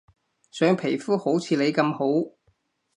想皮膚好似你咁好